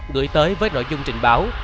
gửi tới với nội dung trình báo